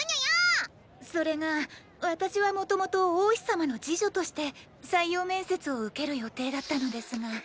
それが私はもともと王妃様の侍女として採用面接を受ける予定だったのですが。